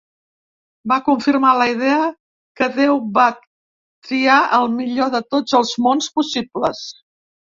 Va confirmar la idea que Déu va triar el millor de tots els mons possibles.